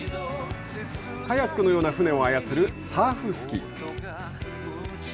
カヤックのような船を操るサーフスキー。